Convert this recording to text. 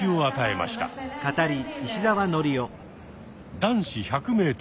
男子１００ｍ。